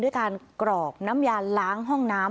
ด้วยการกรอกน้ำยาล้างห้องน้ำ